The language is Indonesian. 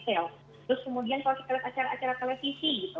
terus kemudian kalau kita lihat acara acara televisi gitu